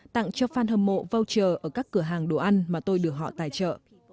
tặng cho fan hâm mộ voucher ở các cửa hàng đồ ăn mà tôi được họ tài trợ